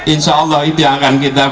insya allah itu yang akan kita